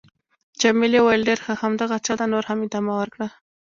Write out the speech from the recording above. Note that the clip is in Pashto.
جميلې وويل:: ډېر ښه. همدغه چل ته نور هم ادامه ورکړه.